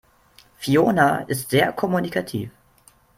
Fiona ist sehr kommunikativ.